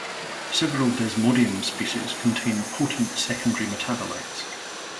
Several "Desmodium" species contain potent secondary metabolites.